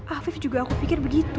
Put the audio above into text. afif juga aku pikir begitu